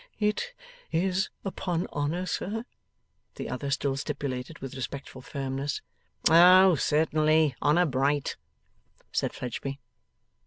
'It is upon honour, sir?' the other still stipulated, with respectful firmness. 'Oh, certainly. Honour bright,' said Fledgeby.